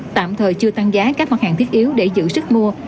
tạm thời chưa tăng giá các mặt hàng thiết yếu để giữ sức mua